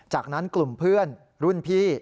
จากนั้นกลุ่มเพื่อนรุ่นพี่